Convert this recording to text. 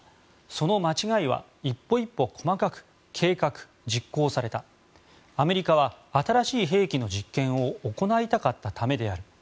その間違いは一歩一歩細かく計画・実行されたアメリカは新しい兵器の実験を行いたかったためである。